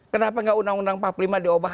kenapa nggak undang undang empat puluh lima diubah